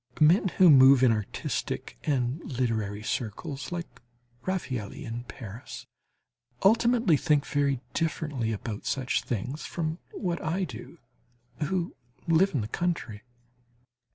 Men who move in artistic and literary circles, like Raffaëlli in Paris, ultimately think very differently about such things from what I do, who live in the country.